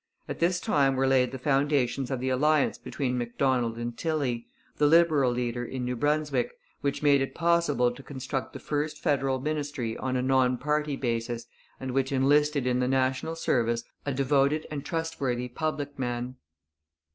At this time were laid the foundations of the alliance between Macdonald and Tilley, the Liberal leader in New Brunswick, which made it possible to construct the first federal ministry on a non party basis and which enlisted in the national service a devoted and trustworthy public man.